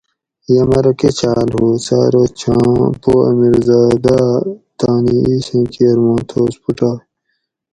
یمرو کچھاۤل ھو؟ سہ ارو چھاۤں پو امیرزادأ تانی ایسیں کیر ماں تھوس پھوٹائ